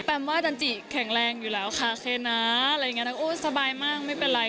แปมว่าจันจิแข็งแรงอยู่แล้วค่ะโอเคนะสบายมากไม่เป็นไร